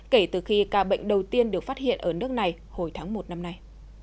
kể từ khi ca bệnh đầu tiên được phát hiện ở nước này hồi tháng một năm nay